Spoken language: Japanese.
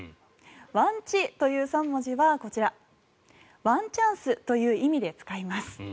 「わんち」という３文字はこちらワンチャンスという意味で使います。